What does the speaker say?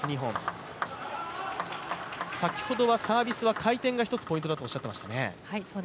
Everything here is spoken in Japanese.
先ほどはサービスは回転が一つポイントだとおっしゃっていましたね。